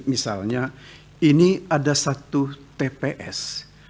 misalnya ini ada satu tps